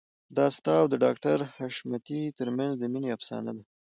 دا ستا او د ډاکټر حشمتي ترمنځ د مينې افسانه ده